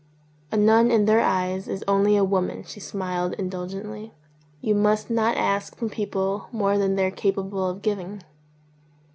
"A nun in their eyes is only a woman," she smiled indulgently. "You must not ask from peo ple more than they are capable of giving."